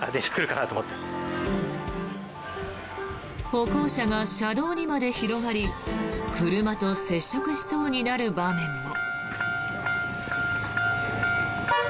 歩行者が車道にまで広がり車と接触しそうになる場面も。